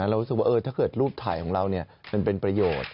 เรารู้สึกว่าถ้าเกิดรูปถ่ายของเรามันเป็นประโยชน์